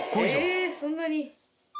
えそんなに。